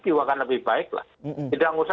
jiwakan lebih baik lah tidak usah